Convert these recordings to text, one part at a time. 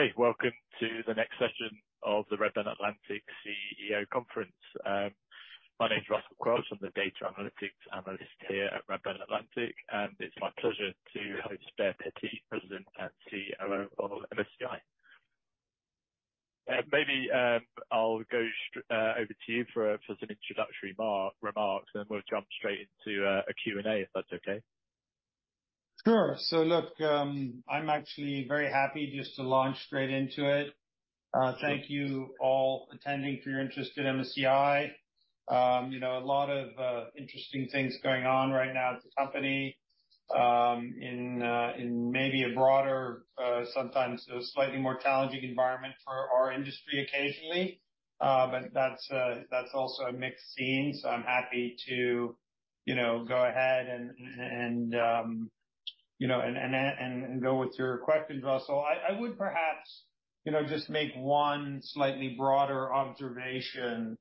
Okay, welcome to the next session of the Redburn Atlantic CEO Conference. My name is Russell Quelch. I'm the data analytics analyst here at Redburn Atlantic, and it's my pleasure to host Baer Pettit, president and CEO of MSCI. Maybe I'll go over to you for some introductory remarks, and then we'll jump straight into a Q&A, if that's okay. Sure. So look, I'm actually very happy just to launch straight into it. Thank you all attending for your interest in MSCI. You know, a lot of interesting things going on right now at the company, in maybe a broader, sometimes a slightly more challenging environment for our industry occasionally. But that's, that's also a mixed scene, so I'm happy to, you know, go ahead and, you know, go with your questions, Russell. I would perhaps, you know, just make one slightly broader observation,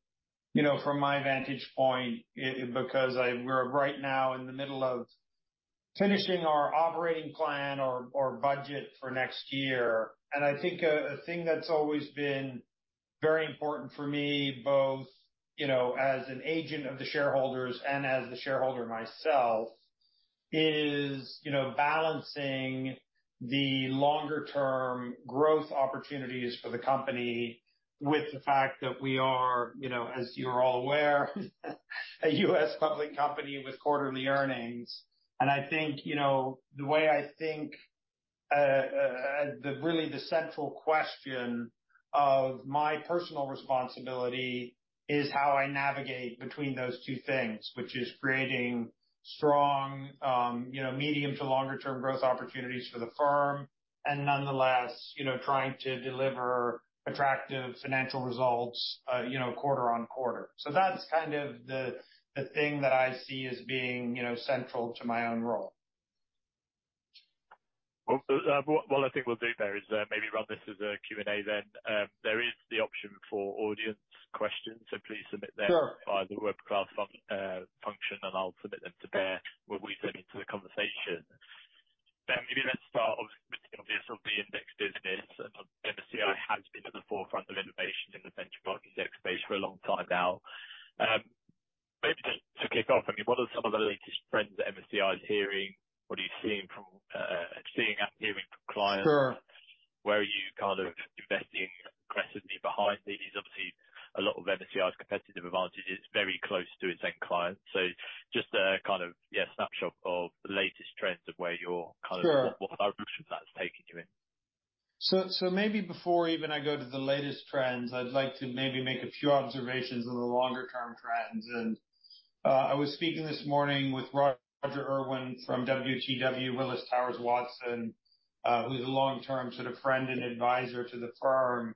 you know, from my vantage point, because we're right now in the middle of finishing our operating plan or, or budget for next year. I think a thing that's always been very important for me, both, you know, as an agent of the shareholders and as the shareholder myself, is, you know, balancing the longer-term growth opportunities for the company with the fact that we are, you know, as you're all aware, a U.S. public company with quarterly earnings. I think, you know, the way I think the really the central question of my personal responsibility is how I navigate between those two things, which is creating strong, you know, medium to longer term growth opportunities for the firm, and nonetheless, you know, trying to deliver attractive financial results, you know, quarter on quarter. So that's kind of the thing that I see as being, you know, central to my own role. Well, so, what I think we'll do there is maybe run this as a Q&A then. There is the option for audience questions, so please submit them- Sure. via the webcast function, and I'll submit them to Baer. We'll weave them into the conversation. Then maybe let's start obviously with the index business, and MSCI has been at the forefront of innovation in the benchmark index space for a long time now. Maybe just to kick off, I mean, what are some of the latest trends that MSCI is hearing? What are you seeing and hearing from clients? Sure. Where are you kind of investing aggressively behind? There is obviously a lot of MSCI's competitive advantages, very close to its end clients. So just a kind of, yeah, snapshot of the latest trends of where you're kind of- Sure. What direction that's taking you in. So, so maybe before even I go to the latest trends, I'd like to maybe make a few observations on the longer-term trends. And I was speaking this morning with Roger Urwin from WTW, Willis Towers Watson, who's a long-term sort of friend and advisor to the firm.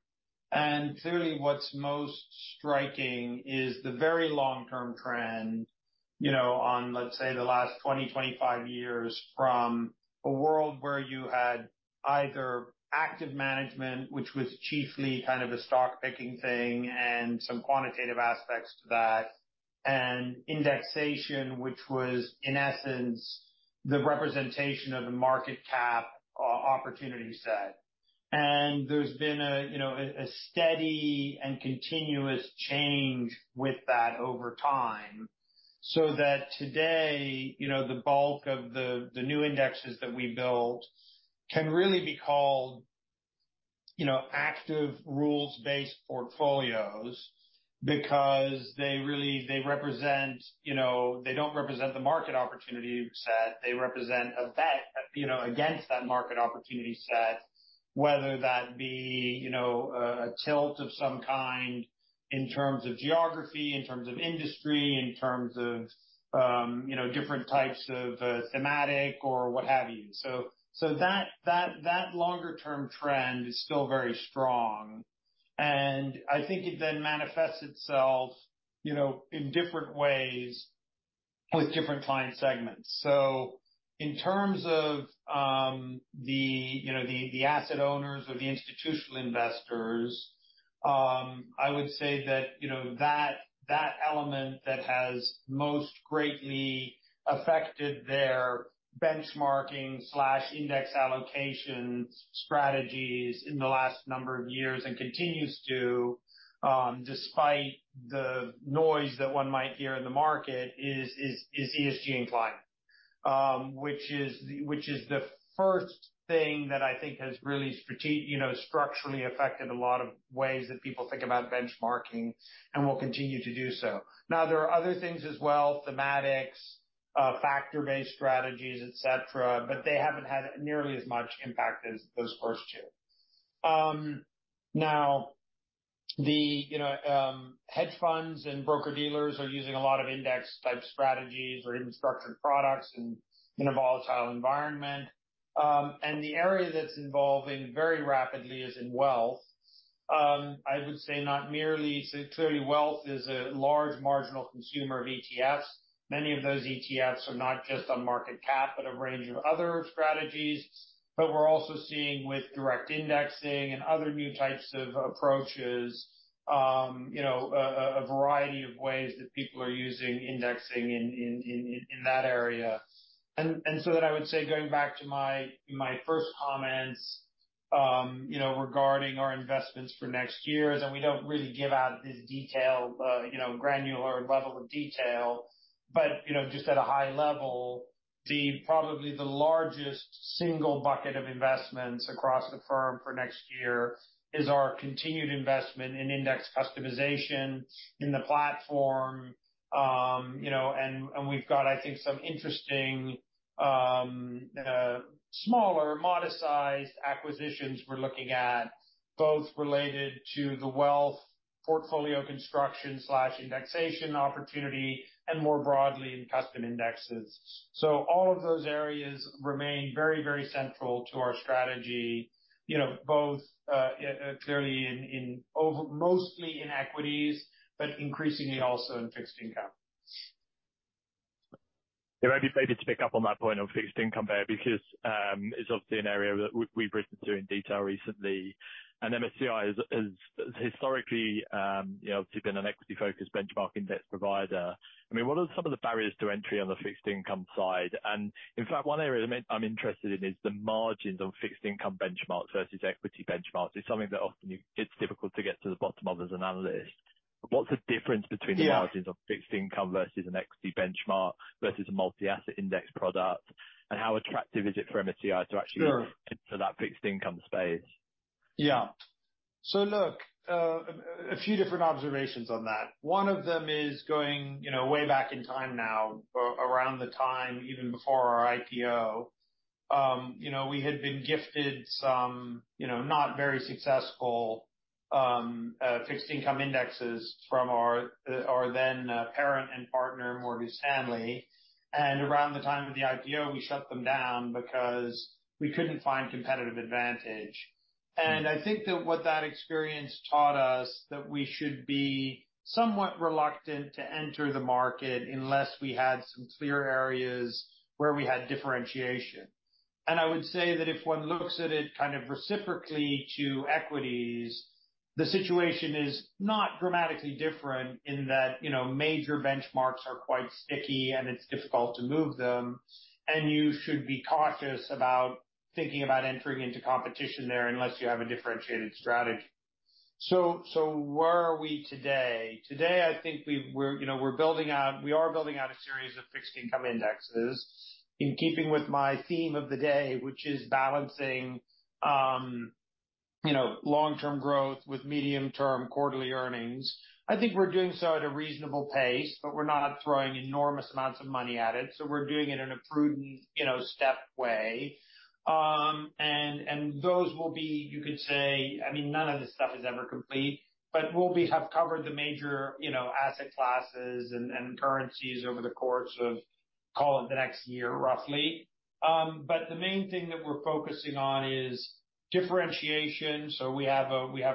And clearly, what's most striking is the very long-term trend, you know, on, let's say, the last 20-25 years, from a world where you had either active management, which was chiefly kind of a stock-picking thing, and some quantitative aspects to that, and indexation, which was, in essence, the representation of the market cap opportunity set. And there's been a steady and continuous change with that over time, so that today, you know, the bulk of the new indexes that we build can really be called, you know, active rules-based portfolios because they really they represent, you know, they don't represent the market opportunity set, they represent a bet, you know, against that market opportunity set, whether that be, you know, a tilt of some kind in terms of geography, in terms of industry, in terms of, you know, different types of thematic or what have you. So that longer-term trend is still very strong, and I think it then manifests itself, you know, in different ways with different client segments. So in terms of the asset owners or the institutional investors, I would say that you know that element that has most greatly affected their benchmarking/index allocation strategies in the last number of years and continues to despite the noise that one might hear in the market is ESG and climate. Which is the first thing that I think has really you know structurally affected a lot of ways that people think about benchmarking and will continue to do so. Now, there are other things as well: thematics, factor-based strategies, et cetera, but they haven't had nearly as much impact as those first two. Now, you know the hedge funds and broker-dealers are using a lot of index-type strategies or even structured products in a volatile environment. And the area that's evolving very rapidly is in wealth. I would say not merely, so clearly, wealth is a large marginal consumer of ETFs. Many of those ETFs are not just on market cap, but a range of other strategies. But we're also seeing with direct indexing and other new types of approaches, you know, a variety of ways that people are using indexing in that area. And so then I would say, going back to my first comments, you know, regarding our investments for next year, and we don't really give out this detail, you know, granular level of detail, but, you know, just at a high level, probably the largest single bucket of investments across the firm for next year is our continued investment in index customization in the platform. You know, and we've got, I think, some interesting smaller modest-sized acquisitions we're looking at, both related to the wealth portfolio construction/indexation opportunity and more broadly in custom indexes. So all of those areas remain very, very central to our strategy, you know, both clearly in mostly equities, but increasingly also in fixed income. Yeah, maybe to pick up on that point of fixed income there, because, it's obviously an area that we, we've written to in detail recently. And MSCI is historically, you know, obviously been an equity-focused benchmark index provider. I mean, what are some of the barriers to entry on the fixed income side? And in fact, one area that I'm interested in is the margins on fixed income benchmarks versus equity benchmarks. It's something that often you... It's difficult to get to the bottom of as an analyst. What's the difference between- Yeah. the margins of fixed income versus an equity benchmark versus a multi-asset index product, and how attractive is it for MSCI to actually- Sure. enter that fixed income space? Yeah. So look, a few different observations on that. One of them is going, you know, way back in time now, around the time, even before our IPO. You know, we had been gifted some, you know, not very successful fixed income indexes from our then parent and partner, Morgan Stanley. And around the time of the IPO, we shut them down because we couldn't find competitive advantage. And I think that what that experience taught us, that we should be somewhat reluctant to enter the market unless we had some clear areas where we had differentiation. And I would say that if one looks at it kind of reciprocally to equities, the situation is not dramatically different in that, you know, major benchmarks are quite sticky, and it's difficult to move them, and you should be cautious about thinking about entering into competition there unless you have a differentiated strategy. So where are we today? Today, I think we're, you know, building out a series of fixed income indexes. In keeping with my theme of the day, which is balancing, you know, long-term growth with medium-term quarterly earnings. I think we're doing so at a reasonable pace, but we're not throwing enormous amounts of money at it, so we're doing it in a prudent, you know, stepped way. And those will be, you could say, I mean, none of this stuff is ever complete, but we'll have covered the major, you know, asset classes and currencies over the course of, call it, the next year, roughly. But the main thing that we're focusing on is differentiation. So we have a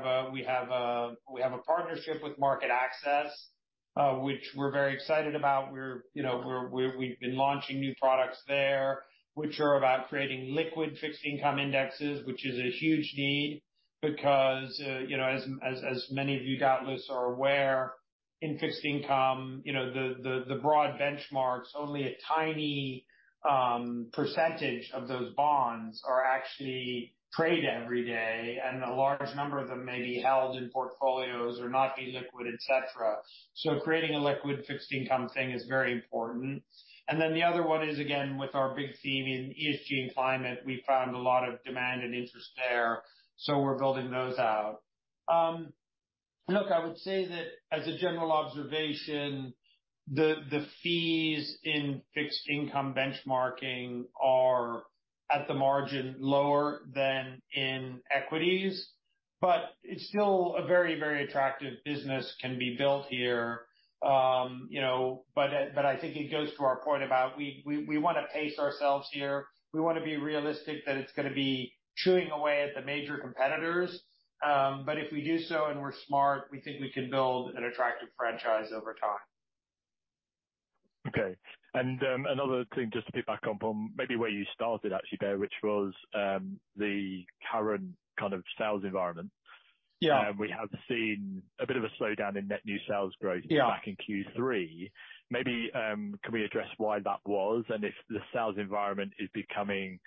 partnership with MarketAxess, which we're very excited about. We're, you know, we've been launching new products there, which are about creating liquid fixed income indexes, which is a huge need because, you know, as many of you analysts are aware, in fixed income, you know, the broad benchmarks, only a tiny percentage of those bonds are actually traded every day, and a large number of them may be held in portfolios or not be liquid, et cetera. So creating a liquid fixed income thing is very important. And then the other one is, again, with our big theme in ESG and climate, we found a lot of demand and interest there, so we're building those out. Look, I would say that as a general observation, the fees in fixed income benchmarking are, at the margin, lower than in equities, but it's still a very, very attractive business can be built here. You know, but I think it goes to our point about we want to pace ourselves here. We want to be realistic that it's going to be chewing away at the major competitors, but if we do so and we're smart, we think we can build an attractive franchise over time. Okay. And, another thing, just to pick back up on maybe where you started, actually, Baer, which was, the current kind of sales environment. Yeah. We have seen a bit of a slowdown in net new sales growth- Yeah. -back in Q3. Maybe can we address why that was, and if the sales environment is becoming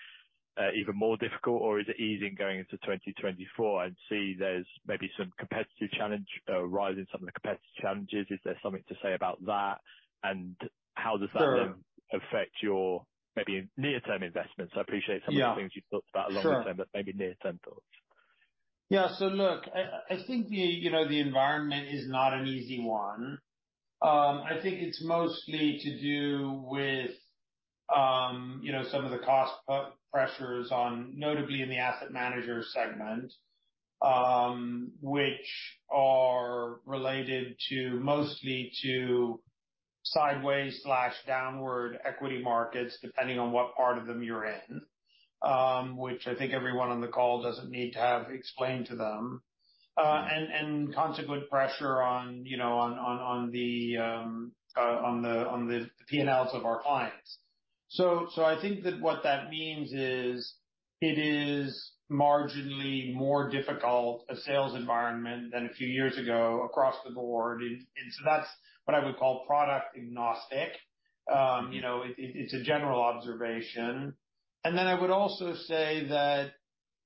even more difficult, or is it easing going into 2024? I'd say there's maybe some competitive challenge, a rise in some of the competitive challenges. Is there something to say about that? And how does that- Sure. affect your maybe near-term investments? I appreciate some Yeah. of the things you've talked about longer term Sure. But maybe near-term thoughts. Yeah. So look, I think the, you know, the environment is not an easy one. I think it's mostly to do with, you know, some of the cost pressures on, notably in the asset manager segment, which are related to mostly to sideways/downward equity markets, depending on what part of them you're in, which I think everyone on the call doesn't need to have explained to them. And consequent pressure on, you know, on the P&Ls of our clients. So I think that what that means is, it is marginally more difficult a sales environment than a few years ago across the board. And so that's what I would call product-agnostic.... You know, it's a general observation. And then I would also say that,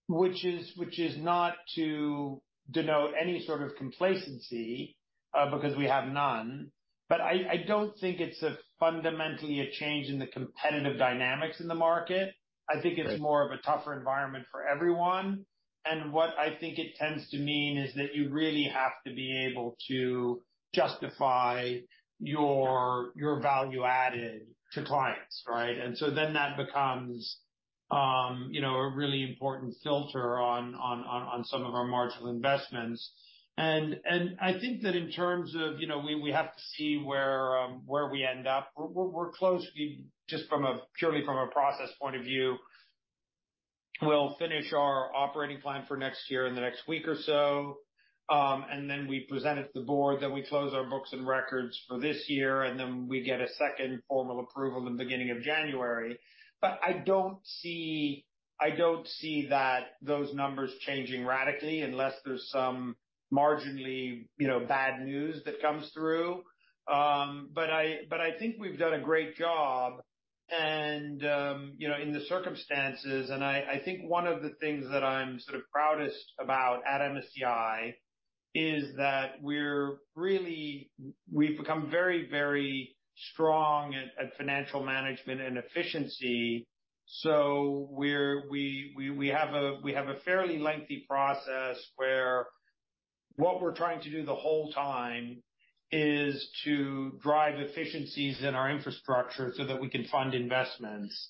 which is not to denote any sort of complacency, because we have none, but I don't think it's fundamentally a change in the competitive dynamics in the market. Right. I think it's more of a tougher environment for everyone. What I think it tends to mean is that you really have to be able to justify your value added to clients, right? So then that becomes, you know, a really important filter on some of our marginal investments. I think that in terms of, you know, we have to see where we end up. We're close, just purely from a process point of view. We'll finish our operating plan for next year in the next week or so, and then we present it to the board, then we close our books and records for this year, and then we get a second formal approval in the beginning of January. But I don't see, I don't see that those numbers changing radically unless there's some marginally, you know, bad news that comes through. But I think we've done a great job and, you know, in the circumstances, and I think one of the things that I'm sort of proudest about at MSCI is that we're really—we've become very, very strong at financial management and efficiency. So we have a fairly lengthy process where what we're trying to do the whole time is to drive efficiencies in our infrastructure so that we can fund investments.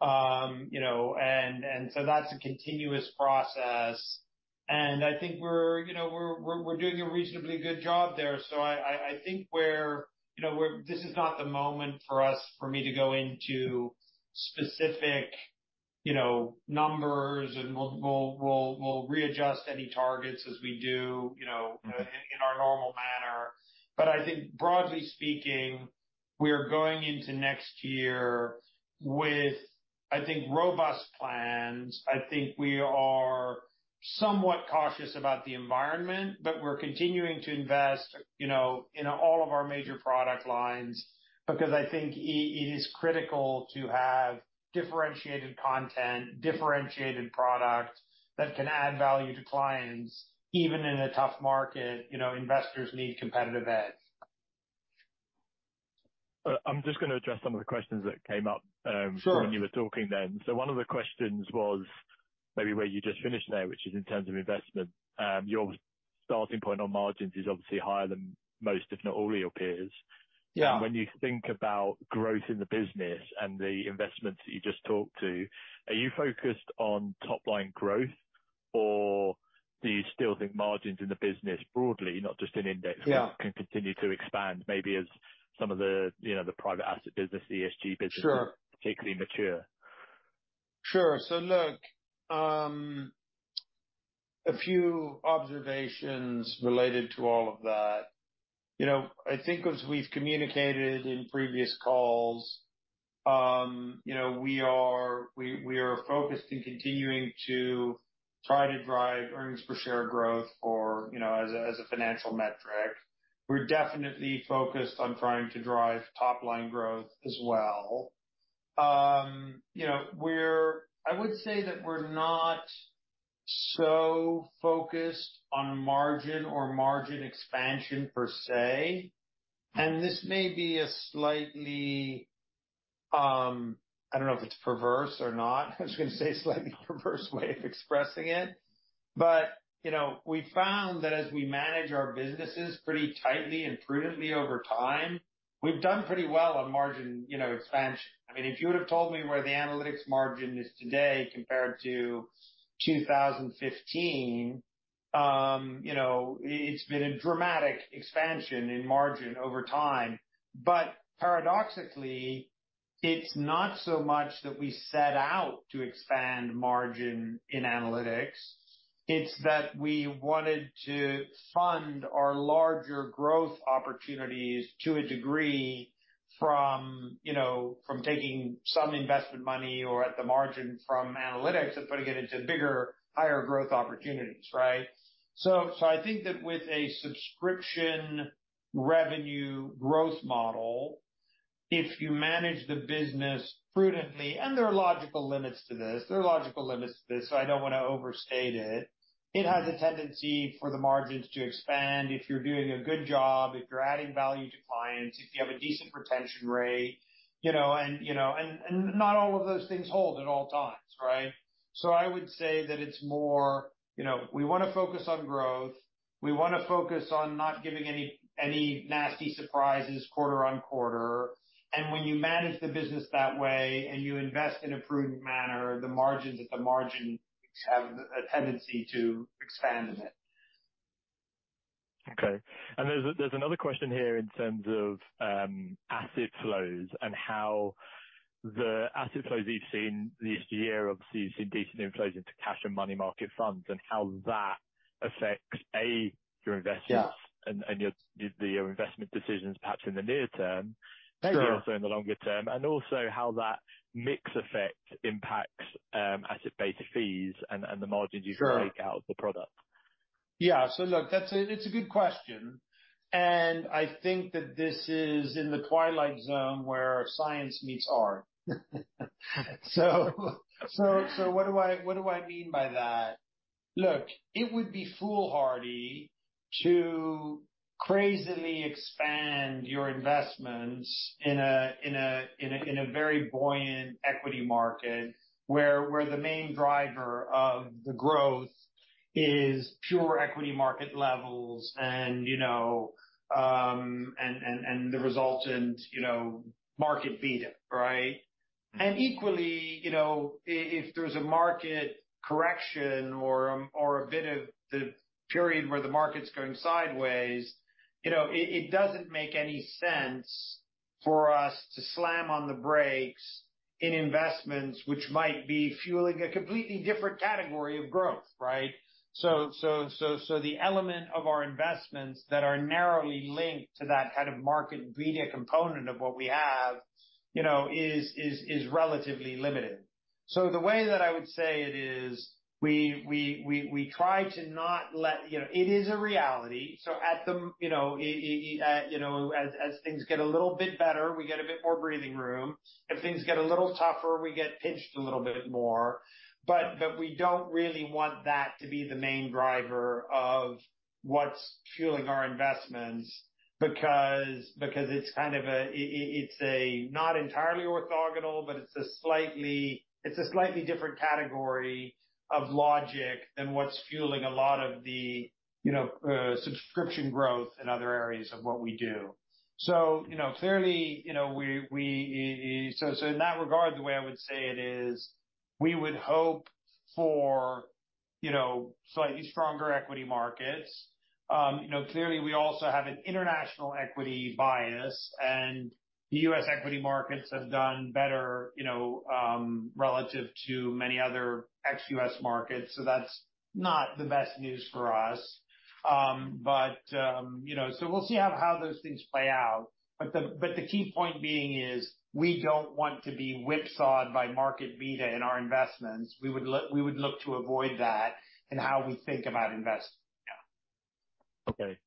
You know, and so that's a continuous process, and I think we're, you know, doing a reasonably good job there. So I think we're, you know, this is not the moment for us, for me to go into specific, you know, numbers, and we'll readjust any targets as we do, you know, in our normal manner. But I think broadly speaking, we are going into next year with, I think, robust plans. I think we are somewhat cautious about the environment, but we're continuing to invest, you know, in all of our major product lines, because I think it is critical to have differentiated content, differentiated product that can add value to clients. Even in a tough market, you know, investors need competitive edge. I'm just going to address some of the questions that came up. Sure. When you were talking then. One of the questions was maybe where you just finished now, which is in terms of investment. Your starting point on margins is obviously higher than most, if not all, of your peers. Yeah. When you think about growth in the business and the investments that you just talked to, are you focused on top-line growth, or do you still think margins in the business broadly, not just in index-? Yeah can continue to expand, maybe as some of the, you know, the private asset business, ESG business Sure -particularly mature? Sure. So look, a few observations related to all of that. You know, I think as we've communicated in previous calls, you know, we are focused in continuing to try to drive earnings per share growth or, you know, as a, as a financial metric. We're definitely focused on trying to drive top-line growth as well. You know, we're. I would say that we're not so focused on margin or margin expansion per se, and this may be a slightly, I don't know if it's perverse or not. I was going to say, slightly perverse way of expressing it, but, you know, we found that as we manage our businesses pretty tightly and prudently over time, we've done pretty well on margin, you know, expansion. I mean, if you would have told me where the analytics margin is today compared to 2015, you know, it's been a dramatic expansion in margin over time. But paradoxically, it's not so much that we set out to expand margin in analytics, it's that we wanted to fund our larger growth opportunities to a degree from, you know, from taking some investment money or at the margin from analytics and putting it into bigger, higher growth opportunities, right? So, so I think that with a subscription revenue growth model, if you manage the business prudently, and there are logical limits to this, there are logical limits to this, so I don't want to overstate it. It has a tendency for the margins to expand if you're doing a good job, if you're adding value to clients, if you have a decent retention rate, you know, and, you know, and, and not all of those things hold at all times, right? So I would say that it's more, you know, we want to focus on growth, we want to focus on not giving any, any nasty surprises quarter on quarter. And when you manage the business that way, and you invest in a prudent manner, the margins, at the margin, have a tendency to expand a bit. Okay. And there's another question here in terms of asset flows and how the asset flows you've seen this year. Obviously, you've seen decent inflows into cash and money market funds, and how that affects, A, your investments- Yeah... and your, the investment decisions, perhaps in the near term. Sure. Maybe also in the longer term, and also how that mix effect impacts, asset-based fees and the margins you take- Sure Out of the product?... Yeah. So look, that's a good question, and I think that this is in the twilight zone where science meets art. So what do I mean by that? Look, it would be foolhardy to crazily expand your investments in a very buoyant equity market, where the main driver of the growth is pure equity market levels and, you know, and the resultant, you know, market beta, right? And equally, you know, if there's a market correction or a bit of the period where the market's going sideways, you know, it doesn't make any sense for us to slam on the brakes in investments, which might be fueling a completely different category of growth, right? So, the element of our investments that are narrowly linked to that head of market beta component of what we have, you know, is relatively limited. So the way that I would say it is, we try to not let... You know, it is a reality, so at the, you know, it, you know, as things get a little bit better, we get a bit more breathing room. If things get a little tougher, we get pinched a little bit more, but we don't really want that to be the main driver of what's fueling our investments, because it's kind of a, it's a not entirely orthogonal, but it's a slightly different category of logic than what's fueling a lot of the, you know, subscription growth in other areas of what we do. So, you know, clearly, you know, so in that regard, the way I would say it is, we would hope for, you know, slightly stronger equity markets. You know, clearly, we also have an international equity bias, and the US equity markets have done better, you know, relative to many other ex-U.S. markets, so that's not the best news for us. You know, so we'll see how those things play out. But the key point being is, we don't want to be whipsawed by market beta in our investments. We would look to avoid that in how we think about investing. Yeah. Okay.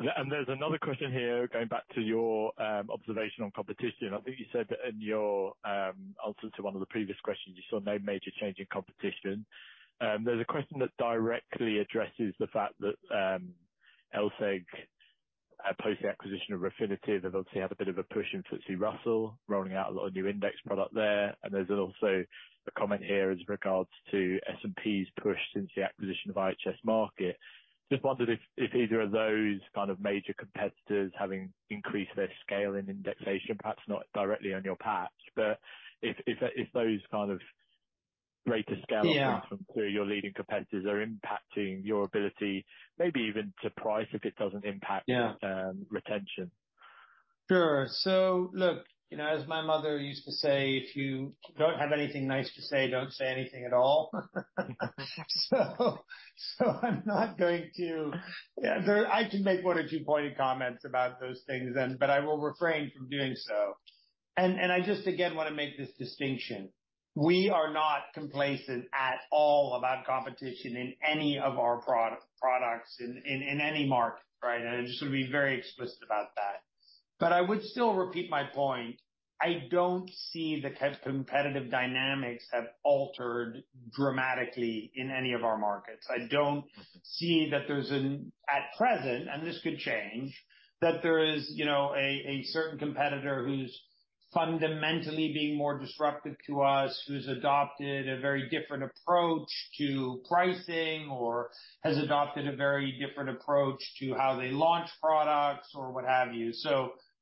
And there's another question here, going back to your observation on competition. I think you said that in your answer to one of the previous questions, you saw no major change in competition. There's a question that directly addresses the fact that LSEG post-acquisition of Refinitiv, they've obviously had a bit of a push in FTSE Russell, rolling out a lot of new index product there, and there's also a comment here as regards to S&P's push since the acquisition of IHS Markit. Just wondered if, if either of those kind of major competitors having increased their scale in indexation, perhaps not directly on your patch, but if, if, if those kind of greater scale- Yeah. from two of your leading competitors are impacting your ability, maybe even to price, if it doesn't impact Yeah. -um, retention. Sure. So look, you know, as my mother used to say, "If you don't have anything nice to say, don't say anything at all." So I'm not going to... Yeah, I can make one or two pointed comments about those things then, but I will refrain from doing so. And I just again want to make this distinction: We are not complacent at all about competition in any of our products, in any market, right? And I just want to be very explicit about that. But I would still repeat my point, I don't see the competitive dynamics have altered dramatically in any of our markets. I don't- Mm-hmm. At present, and this could change, that there is, you know, a certain competitor who's fundamentally being more disruptive to us, who's adopted a very different approach to pricing or has adopted a very different approach to how they launch products or what have you.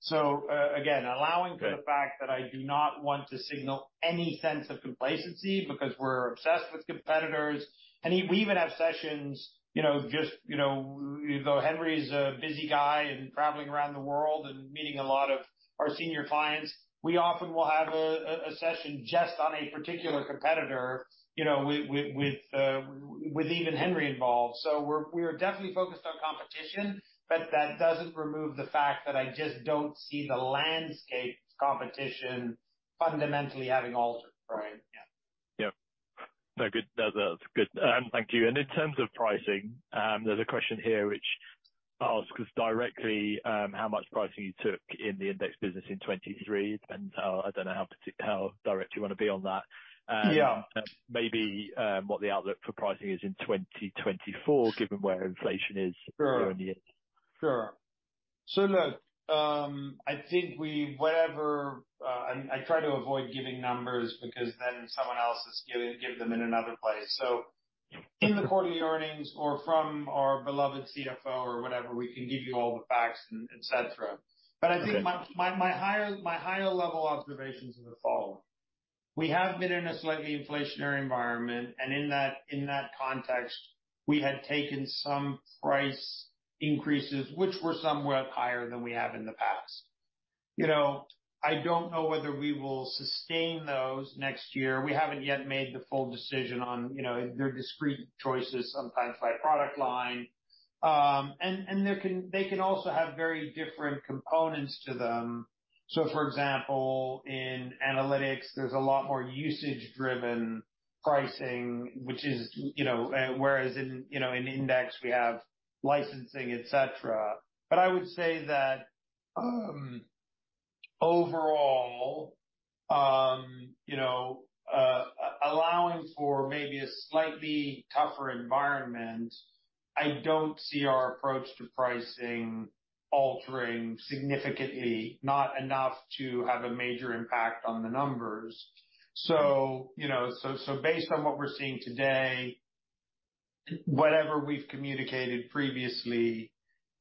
So, again, allowing for the fact that I do not want to signal any sense of complacency because we're obsessed with competitors, and we even have sessions, you know, just, you know, though Henry's a busy guy and traveling around the world and meeting a lot of our senior clients, we often will have a session just on a particular competitor, you know, with even Henry involved. So we are definitely focused on competition, but that doesn't remove the fact that I just don't see the landscape competition fundamentally having altered, right? Yeah. Yeah. No, good. That's good. Thank you. In terms of pricing, there's a question here which asks directly, how much pricing you took in the index business in 2023, and, I don't know how direct you want to be on that. Yeah. Maybe, what the outlook for pricing is in 2024, given where inflation is- Sure. Early in the year. Sure. So look, I think and I try to avoid giving numbers because then someone else is giving them in another place. In the quarterly earnings or from our beloved CFO or whatever, we can give you all the facts and et cetera. Okay. But I think my higher level observations are the following: We have been in a slightly inflationary environment, and in that context, we had taken some price increases, which were somewhat higher than we have in the past. You know, I don't know whether we will sustain those next year. We haven't yet made the full decision on, you know, they're discrete choices, sometimes by product line. And they can also have very different components to them. So for example, in analytics, there's a lot more usage-driven pricing, which is, you know, whereas in index, we have licensing, et cetera. But I would say that, overall, you know, allowing for maybe a slightly tougher environment, I don't see our approach to pricing altering significantly, not enough to have a major impact on the numbers. So, you know, so, so based on what we're seeing today, whatever we've communicated previously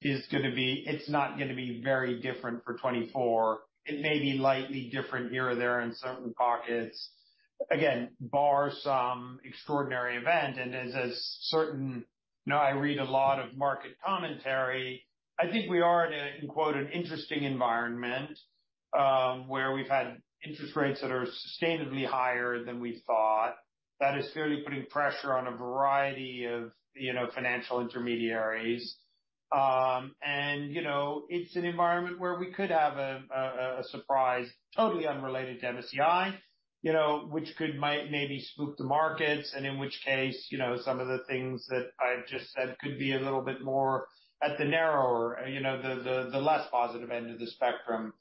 is going to be-- it's not going to be very different for 2024. It may be lightly different here or there in certain pockets. Again, bar some extraordinary event, and as a certain -- You know, I read a lot of market commentary. I think we are in a, quote, "an interesting environment," where we've had interest rates that are sustainably higher than we thought. That is clearly putting pressure on a variety of, you know, financial intermediaries. And, you know, it's an environment where we could have a surprise, totally unrelated to MSCI, you know, which could might maybe spook the markets, and in which case, you know, some of the things that I've just said could be a little bit more at the narrower, you know, the less positive end of the spectrum.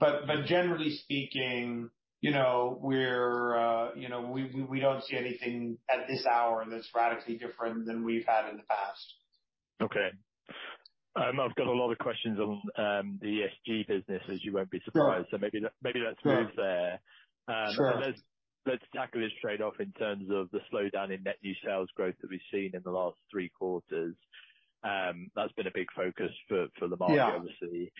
But generally speaking, you know, we're, you know, we don't see anything at this hour that's radically different than we've had in the past. Okay. I've got a lot of questions on the ESG business, as you won't be surprised. Sure. Maybe, maybe let's move there. Sure. Let's tackle this trade-off in terms of the slowdown in net new sales growth that we've seen in the last three quarters. That's been a big focus for the market, obviously. Yeah.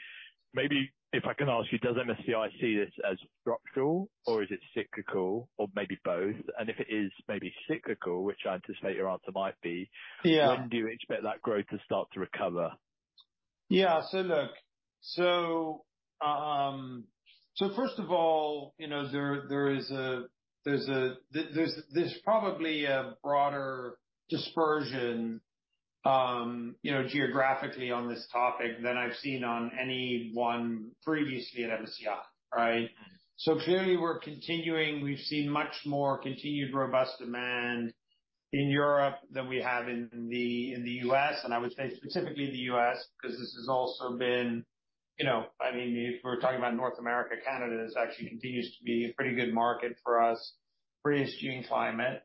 Maybe if I can ask you, does MSCI see this as structural or is it cyclical or maybe both? And if it is maybe cyclical, which I anticipate your answer might be- Yeah. When do you expect that growth to start to recover? Yeah. So look, so first of all, you know, there's probably a broader dispersion, you know, geographically on this topic than I've seen on any one previously at MSCI, right? So clearly, we're continuing. We've seen much more continued robust demand in Europe than we have in the U.S., and I would say specifically in the U.S., because this has also been, you know, I mean, if we're talking about North America, Canada is actually continues to be a pretty good market for us, pretty ESG in climate.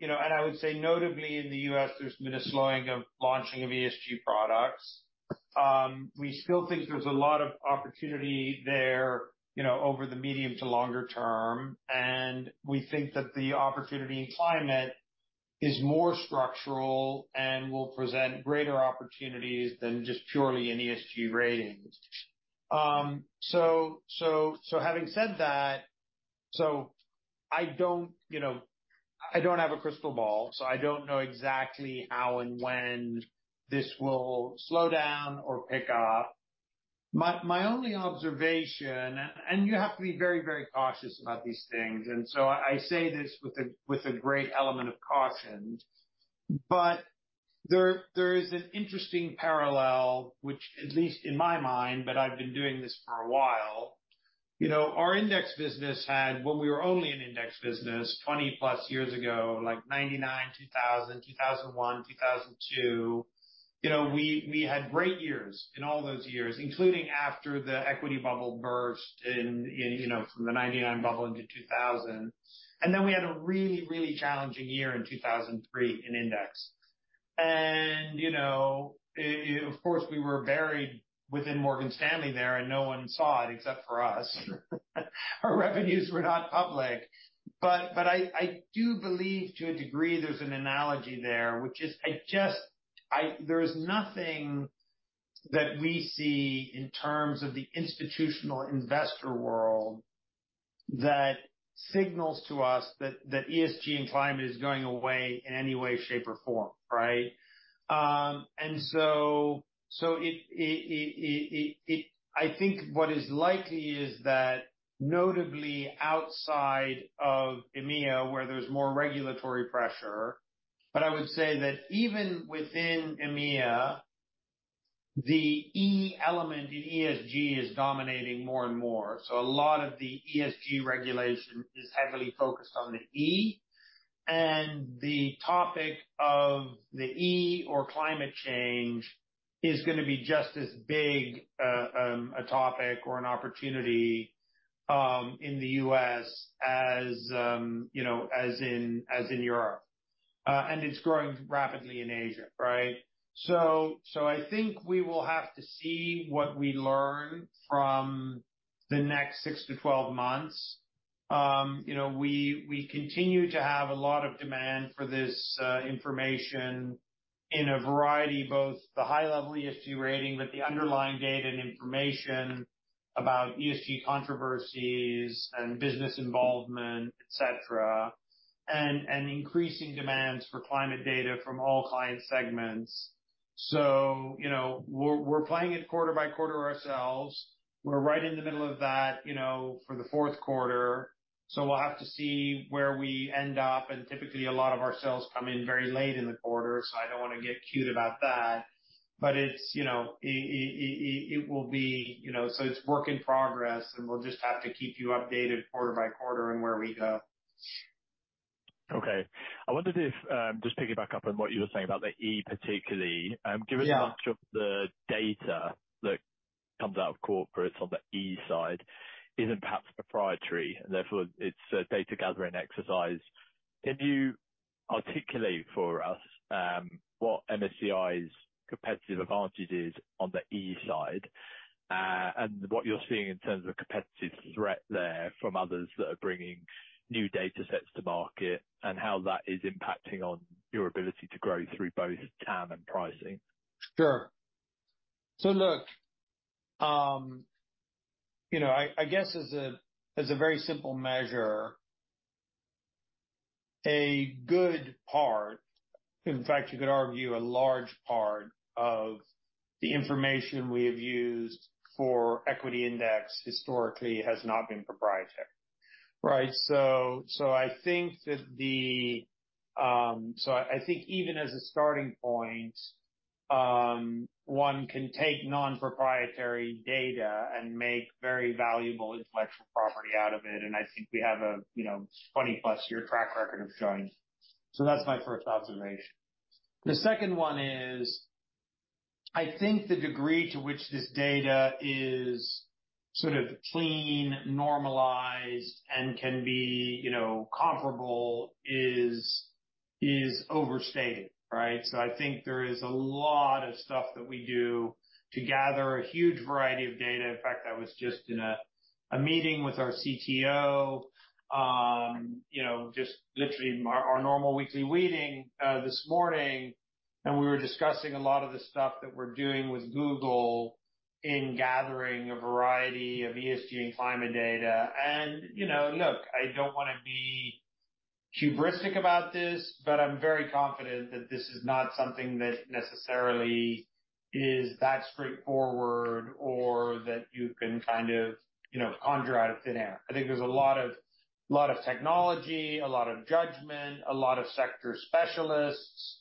You know, and I would say notably in the U.S., there's been a slowing of launching of ESG products. We still think there's a lot of opportunity there, you know, over the medium to longer term, and we think that the opportunity in climate is more structural and will present greater opportunities than just purely in ESG ratings. So having said that, so I don't, you know, I don't have a crystal ball, so I don't know exactly how and when this will slow down or pick up. My only observation, and you have to be very, very cautious about these things, and so I say this with a great element of caution, but there is an interesting parallel, which at least in my mind, but I've been doing this for a while. You know, our index business had, when we were only an index business 20+ years ago, like 1999, 2000, 2001, 2002, you know, we had great years in all those years, including after the equity bubble burst in, you know, from the 1999 bubble into 2000. And then we had a really, really challenging year in 2003 in index. And, you know, it, of course, we were buried within Morgan Stanley there, and no one saw it except for us. Our revenues were not public. But I do believe to a degree, there's an analogy there, which is, I just, I, there's nothing that we see in terms of the institutional investor world that signals to us that ESG and climate is going away in any way, shape, or form, right? And so, I think what is likely is that notably outside of EMEA, where there's more regulatory pressure, but I would say that even within EMEA, the E element in ESG is dominating more and more. So a lot of the ESG regulation is heavily focused on the E, and the topic of the E or climate change is going to be just as big, a topic or an opportunity, in the U.S., as, you know, as in Europe. And it's growing rapidly in Asia, right? So, I think we will have to see what we learn from the next six-12 months. You know, we continue to have a lot of demand for this information in a variety, both the high-level ESG rating, but the underlying data and information about ESG controversies and business involvement, et cetera, and increasing demands for climate data from all client segments. So, you know, we're playing it quarter by quarter ourselves. We're right in the middle of that, you know, for the fourth quarter. So we'll have to see where we end up, and typically, a lot of our sales come in very late in the quarter, so I don't want to get queued about that. But it's, you know, it will be, you know, so it's work in progress, and we'll just have to keep you updated quarter by quarter on where we go. Okay. I wondered if, just picking back up on what you were saying about the E particularly, Yeah. Given much of the data that comes out of corporates on the E side isn't perhaps proprietary, and therefore it's a data-gathering exercise. Can you articulate for us what MSCI's competitive advantage is on the E side, and what you're seeing in terms of competitive threat there from others that are bringing new datasets to market, and how that is impacting on your ability to grow through both TAM and pricing? Sure. So look, you know, I guess as a very simple measure, a good part, in fact, you could argue a large part of the information we have used for equity index historically has not been proprietary, right? So I think even as a starting point, one can take non-proprietary data and make very valuable intellectual property out of it, and I think we have a, you know, 20-plus year track record of doing it. So that's my first observation. The second one is, I think the degree to which this data is sort of clean, normalized, and can be, you know, comparable is overstated, right? So I think there is a lot of stuff that we do to gather a huge variety of data. In fact, I was just in a meeting with our CTO, you know, just literally our normal weekly meeting, this morning, and we were discussing a lot of the stuff that we're doing with Google in gathering a variety of ESG and climate data. And, you know, look, I don't want to be hubristic about this, but I'm very confident that this is not something that necessarily is that straightforward or that you can kind of, you know, conjure out of thin air. I think there's a lot of technology, a lot of judgment, a lot of sector specialists,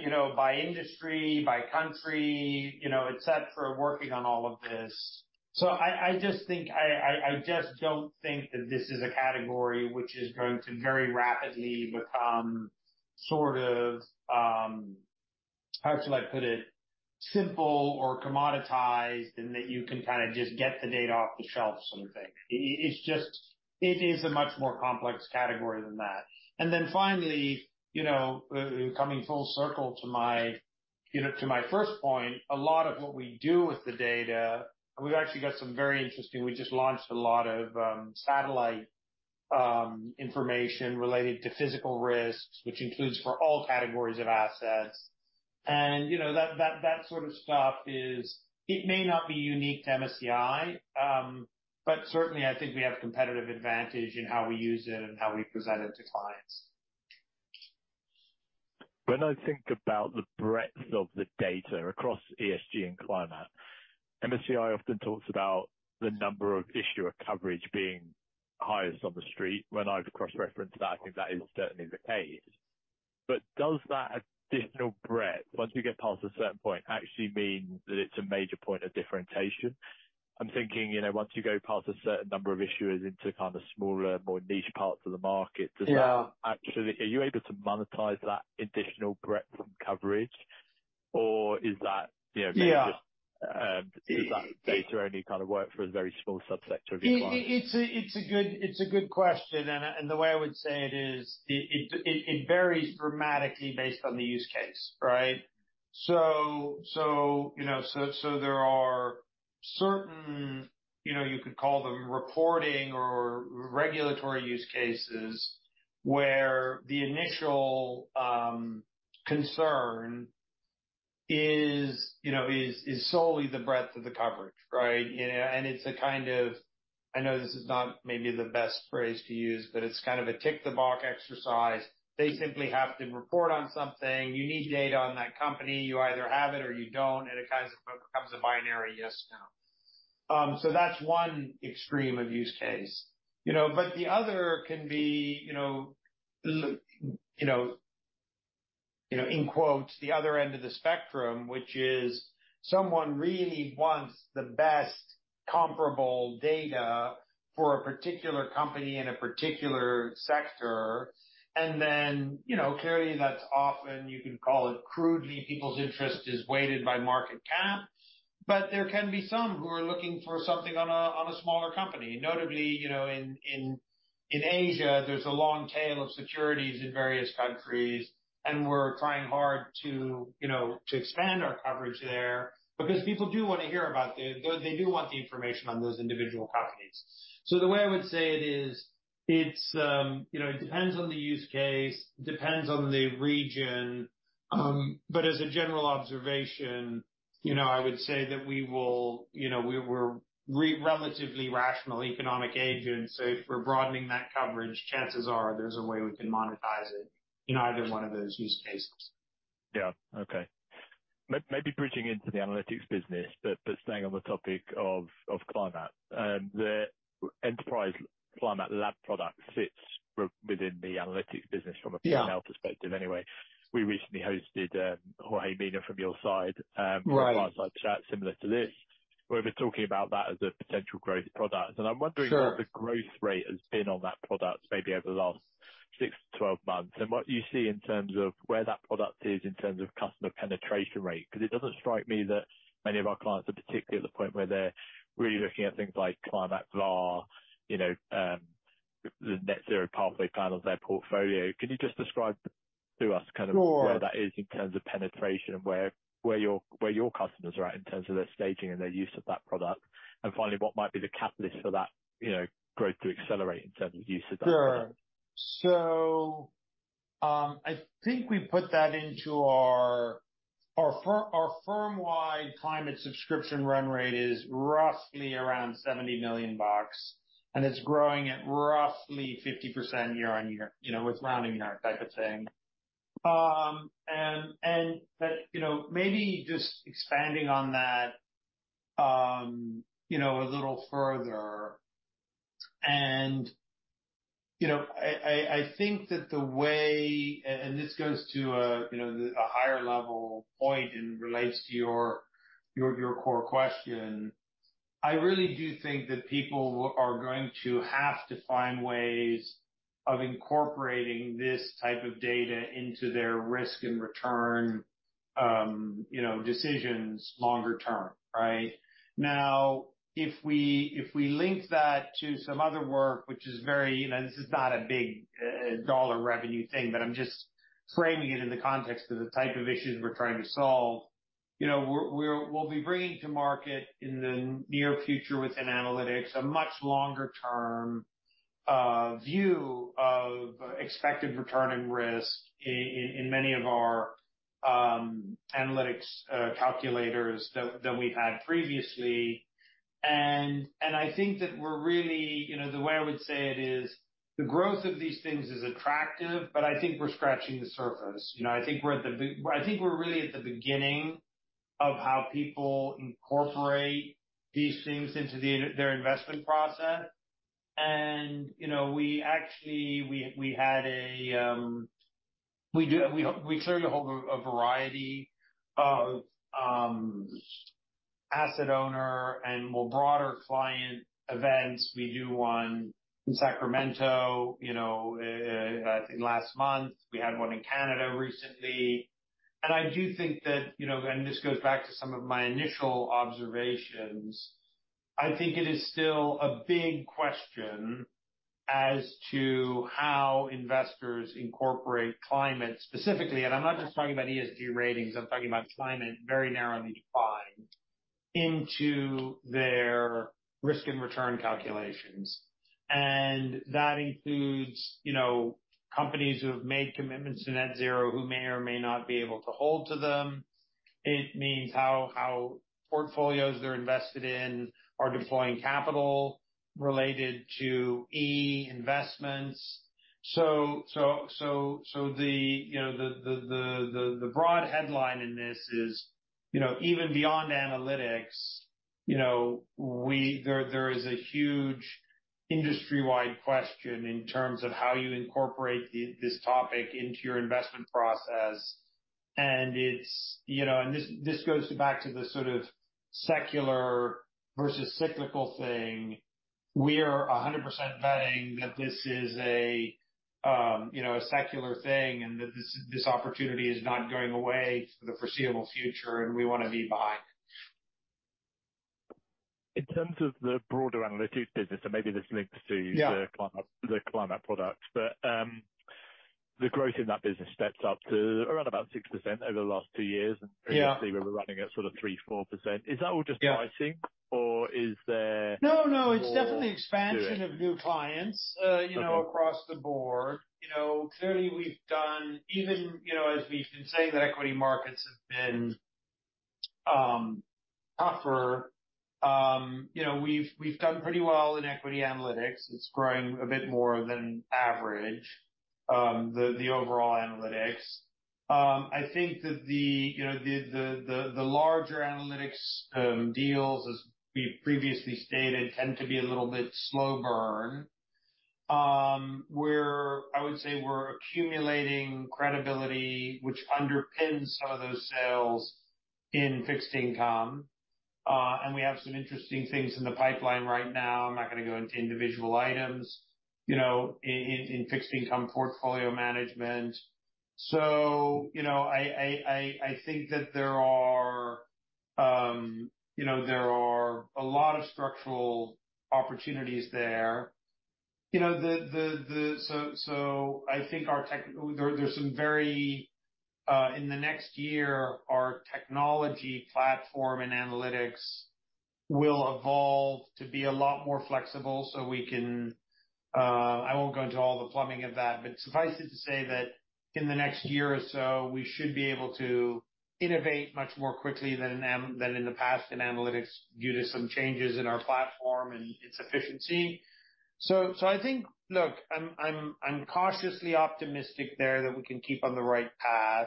you know, by industry, by country, you know, et cetera, working on all of this. So I just think... I just don't think that this is a category which is going to very rapidly become sort of, how should I put it? Simple or commoditized, and that you can kinda just get the data off the shelf sort of thing. It's just, it is a much more complex category than that. And then finally, you know, coming full circle to my, you know, to my first point, a lot of what we do with the data, and we've actually got some very interesting—we just launched a lot of satellite information related to physical risks, which includes for all categories of assets. And, you know, that, that, that sort of stuff is, it may not be unique to MSCI, but certainly, I think we have competitive advantage in how we use it and how we present it to clients. When I think about the breadth of the data across ESG and climate, MSCI often talks about the number of issuer coverage being highest on the street. When I've cross-referenced that, I think that is certainly the case. But does that additional breadth, once you get past a certain point, actually mean that it's a major point of differentiation? I'm thinking, you know, once you go past a certain number of issuers into kind of smaller, more niche parts of the market- Yeah. Are you able to monetize that additional breadth and coverage, or is that, you know, maybe just? Yeah. Does that data only kind of work for a very small subsector of your clients? It's a good question, and the way I would say it is, it varies dramatically based on the use case, right? So, you know, there are certain, you know, you could call them reporting or regulatory use cases, where the initial concern is, you know, is solely the breadth of the coverage, right? You know, and it's a kind of... I know this is not maybe the best phrase to use, but it's kind of a tick-the-box exercise. They simply have to report on something. You need data on that company. You either have it or you don't, and it kind of becomes a binary yes, no. So that's one extreme of use case, you know? But the other can be, you know, you know, in quotes, "the other end of the spectrum," which is, someone really wants the best comparable data for a particular company in a particular sector, and then, you know, clearly, that's often, you can call it crudely, people's interest is weighted by market cap, but there can be some who are looking for something on a smaller company. Notably, you know, in Asia, there's a long tail of securities in various countries, and we're trying hard to, you know, to expand our coverage there because people do want to hear about. They do want the information on those individual companies. The way I would say it is, it's, you know, it depends on the use case, depends on the region, but as a general observation, you know, I would say that we will, you know, we're relatively rational economic agents, so if we're broadening that coverage, chances are there's a way we can monetize it in either one of those use cases. Yeah. Okay. Maybe bridging into the analytics business, but staying on the topic of climate. The Enterprise Climate Lab product sits within the analytics business from a- Yeah - PNL perspective anyway. We recently hosted, Jorge Mina from your side, Right. A fireside chat, similar to this, where we were talking about that as a potential growth product. Sure. I'm wondering what the growth rate has been on that product, maybe over the last six-12 months, and what you see in terms of where that product is in terms of customer penetration rate. Because it doesn't strike me that many of our clients are particularly at the point where they're really looking at things like Climate VaR, you know, the net zero pathway plan of their portfolio. Can you just describe to us kind of- Sure. where that is in terms of penetration and where your customers are at in terms of their staging and their use of that product. And finally, what might be the catalyst for that, you know, growth to accelerate in terms of use of that product? Sure. So, I think we put that into our firm, our firm-wide climate subscription run rate is roughly around $70 million, and it's growing at roughly 50% year-on-year, you know, with rounding error type of thing. But, you know, maybe just expanding on that, you know, a little further. And, you know, I think that the way... and this goes to a, you know, a higher level point and relates to your core question. I really do think that people are going to have to find ways of incorporating this type of data into their risk and return, you know, decisions longer term, right? Now, if we link that to some other work, which is very, you know, this is not a big dollar revenue thing, but I'm just framing it in the context of the type of issues we're trying to solve. You know, we'll be bringing to market in the near future within analytics, a much longer term view of expected return and risk in many of our analytics calculators that we've had previously. And I think that we're really... You know, the way I would say it is: the growth of these things is attractive, but I think we're scratching the surface. You know, I think we're really at the beginning of how people incorporate these things into their investment process. And, you know, we actually clearly hold a variety of asset owner and more broader client events. We do one in Sacramento, you know, I think last month. We had one in Canada recently. And I do think that, you know, and this goes back to some of my initial observations, I think it is still a big question as to how investors incorporate climate specifically, and I'm not just talking about ESG ratings, I'm talking about climate, very narrowly defined, into their risk and return calculations. And that includes, you know, companies who have made commitments to net zero, who may or may not be able to hold to them. It means how portfolios they're invested in are deploying capital related to E investments. So the you know the broad headline in this is you know even beyond analytics you know there is a huge industry-wide question in terms of how you incorporate this topic into your investment process. And it's you know and this goes back to the sort of secular versus cyclical thing. We are 100% betting that this is a you know a secular thing and that this opportunity is not going away for the foreseeable future and we want to be buying. In terms of the broader analytics business, and maybe this links to- Yeah the climate, the climate products. But, the growth in that business stepped up to around about 6% over the last two years. Yeah. Previously, we were running at sort of 3%-4%. Is that all just pricing? Yeah. Or is there more to it? No, no, it's definitely expansion of new clients, you know- Okay... across the board. You know, clearly, we've done even, you know, as we've been saying, that equity markets have been tougher. You know, we've done pretty well in equity analytics. It's growing a bit more than average, the overall analytics. I think that the, you know, the larger analytics deals, as we've previously stated, tend to be a little bit slow burn. We're-- I would say we're accumulating credibility, which underpins some of those sales in fixed income. And we have some interesting things in the pipeline right now. I'm not going to go into individual items, you know, in fixed income portfolio management. So, you know, I think that there are a lot of structural opportunities there. You know, so I think our tech... There's some very in the next year, our technology platform and analytics will evolve to be a lot more flexible so we can, I won't go into all the plumbing of that, but suffice it to say that in the next year or so, we should be able to innovate much more quickly than in the past, in analytics, due to some changes in our platform and its efficiency.... So, so I think, look, I'm cautiously optimistic there that we can keep on the right path.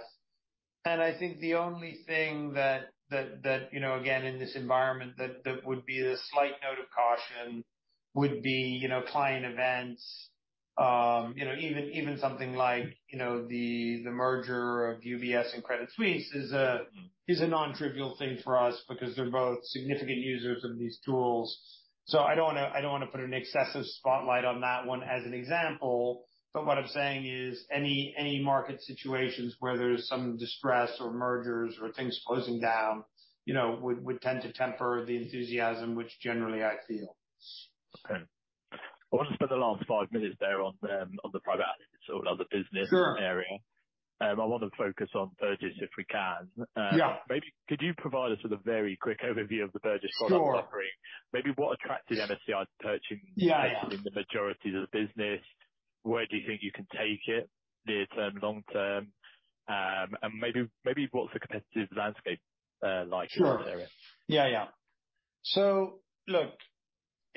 And I think the only thing that, you know, again, in this environment, that would be the slight note of caution would be, you know, client events. You know, even something like, you know, the merger of UBS and Credit Suisse is a nontrivial thing for us because they're both significant users of these tools. So I don't want to, I don't want to put an excessive spotlight on that one as an example, but what I'm saying is, any market situations where there's some distress or mergers or things closing down, you know, would tend to temper the enthusiasm, which generally I feel. Okay. I want to spend the last five minutes there on the private asset or other business- Sure. -area. I want to focus on Burgiss, if we can. Yeah. Maybe could you provide us with a very quick overview of the Burgiss product offering? Sure. Maybe what attracted MSCI to purchasing- Yeah, yeah. the majority of the business? Where do you think you can take it near term, long term? And maybe, maybe what's the competitive landscape, like in that area? Sure. Yeah, yeah. So look,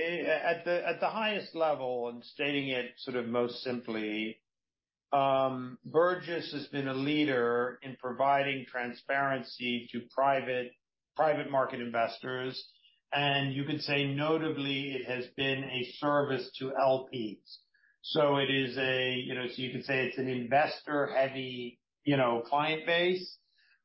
at the highest level, and stating it sort of most simply, Burgiss has been a leader in providing transparency to private, private market investors, and you could say, notably, it has been a service to LPs. So it is a, you know, so you could say it's an investor-heavy, you know, client base.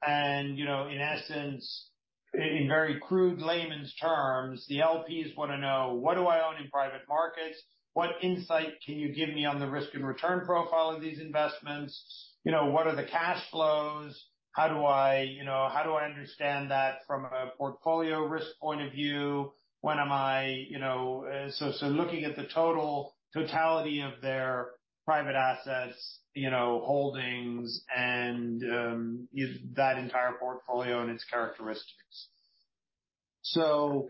And, you know, in essence, in very crude layman's terms, the LPs want to know: What do I own in private markets? What insight can you give me on the risk and return profile of these investments? You know, what are the cash flows? How do I, you know, how do I understand that from a portfolio risk point of view? When am I, you know... So looking at the total totality of their private assets, you know, holdings, and that entire portfolio and its characteristics. So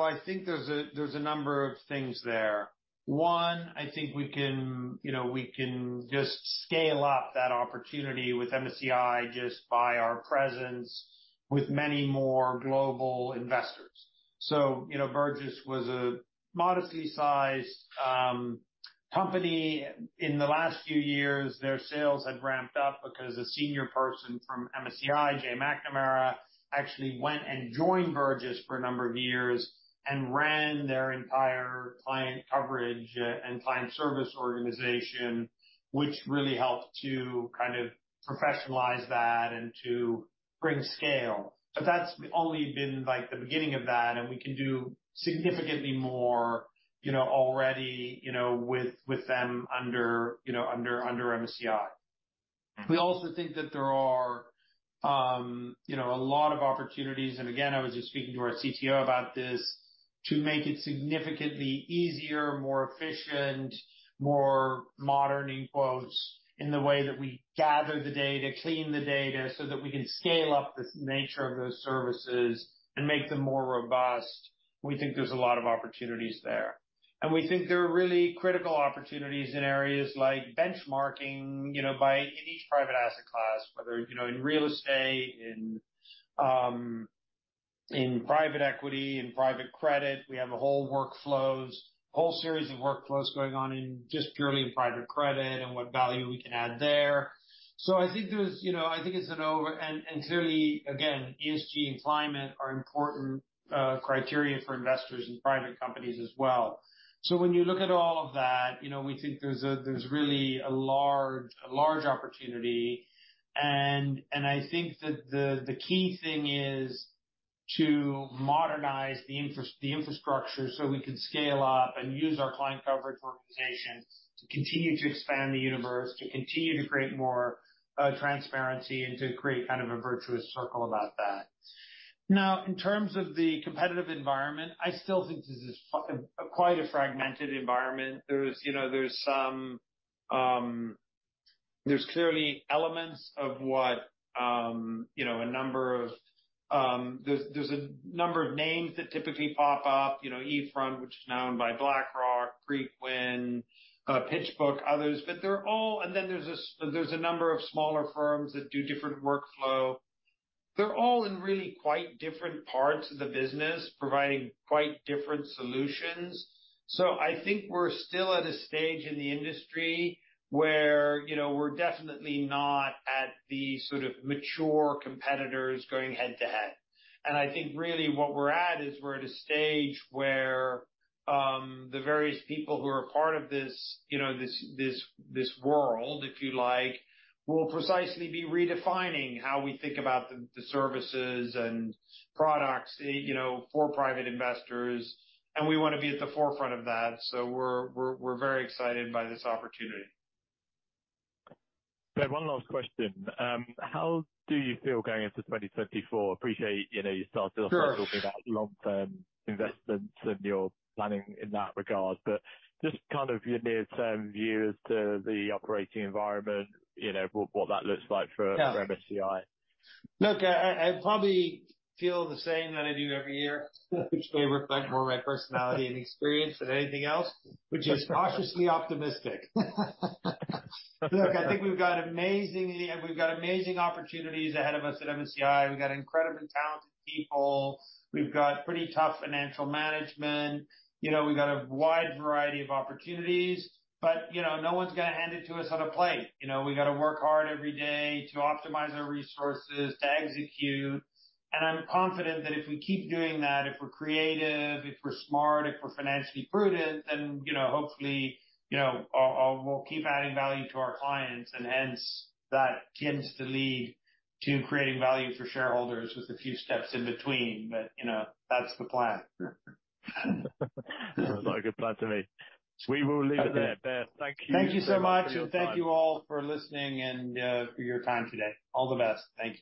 I think there's a number of things there. One, I think we can, you know, we can just scale up that opportunity with MSCI just by our presence with many more global investors. So, you know, Burgiss was a modestly sized company. In the last few years, their sales had ramped up because a senior person from MSCI, Jay McNamara, actually went and joined Burgiss for a number of years and ran their entire client coverage and client service organization, which really helped to kind of professionalize that and to bring scale. But that's only been, like, the beginning of that, and we can do significantly more, you know, already, you know, with them under, you know, under MSCI. We also think that there are, you know, a lot of opportunities, and again, I was just speaking to our CTO about this, to make it significantly easier, more efficient, more "modern," in quotes, in the way that we gather the data, clean the data, so that we can scale up the nature of those services and make them more robust. We think there's a lot of opportunities there. And we think there are really critical opportunities in areas like benchmarking, you know, by in each private asset class, whether, you know, in real estate, in private equity, in private credit. We have a whole workflows, a whole series of workflows going on in just purely in private credit and what value we can add there. So I think there's, you know, and, and clearly, again, ESG and climate are important criteria for investors in private companies as well. So when you look at all of that, you know, we think there's a, there's really a large, a large opportunity. And, and I think that the, the key thing is to modernize the infrastructure, so we can scale up and use our client coverage organization to continue to expand the universe, to continue to create more transparency and to create kind of a virtuous circle about that. Now, in terms of the competitive environment, I still think this is quite a fragmented environment. There's, you know, there's some, there's clearly elements of what, you know, a number of. There's, there's a number of names that typically pop up, you know, eFront, which is now owned by BlackRock, Preqin, PitchBook, others. But they're all-- And then there's a number of smaller firms that do different workflow. They're all in really quite different parts of the business, providing quite different solutions. So I think we're still at a stage in the industry where, you know, we're definitely not at the sort of mature competitors going head-to-head. I think really what we're at is we're at a stage where the various people who are a part of this, you know, this world, if you like, will precisely be redefining how we think about the services and products, you know, for private investors, and we want to be at the forefront of that. So we're very excited by this opportunity. So one last question. How do you feel going into 2024? Appreciate, you know, you still- Sure. talking about long-term investments and your planning in that regard, but just kind of your near-term view as to the operating environment, you know, what that looks like for- Yeah. -for MSCI. Look, I probably feel the same that I do every year, which may reflect more my personality and experience than anything else, which is cautiously optimistic. Look, I think we've got amazing opportunities ahead of us at MSCI. We've got incredibly talented people. We've got pretty tough financial management. You know, we've got a wide variety of opportunities, but, you know, no one's going to hand it to us on a plate. You know, we got to work hard every day to optimize our resources, to execute, and I'm confident that if we keep doing that, if we're creative, if we're smart, if we're financially prudent, then, you know, hopefully, you know, we'll keep adding value to our clients, and hence, that tends to lead to creating value for shareholders with a few steps in between. But, you know, that's the plan. Sounds like a good plan to me. We will leave it there. Beth, thank you. Thank you so much, and thank you all for listening and, for your time today, all the best, bye